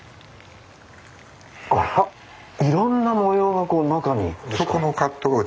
あらいろんな模様が中に。